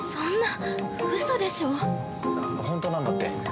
本当なんだって。